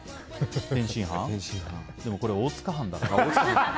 でもこれ大塚飯だから。